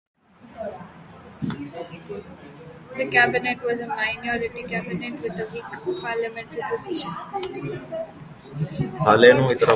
The cabinet was a minority cabinet with a weak parliamentary position.